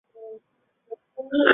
蓝袍巫师。